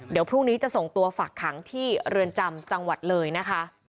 เดี๋ยวพรุ่งนี้จะส่งตัวฝักขังที่เรือนจำจังหวัดเลยนะคะ